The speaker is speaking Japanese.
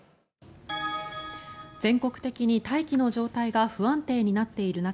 全国的に大気の状態が不安定になっている中